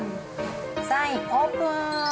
３位、オープン。